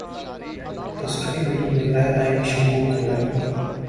تصرفی بِلوں میں غیرآئینی شقوں کو لائے گا